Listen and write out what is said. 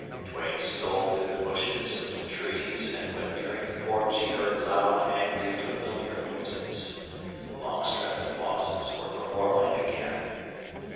Duane stole through the bushes and trees, and when nearing the porch he heard loud, angry, familiar voices. Longstreth and Lawson were quarreling again.